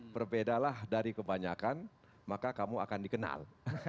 berbedalah dari kebanyakan maka kamu akan dikenal